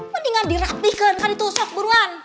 mendingan dirapihkan kan itu sok buruan